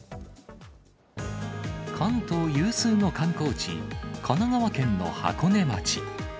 関東有数の観光地、神奈川県の箱根町。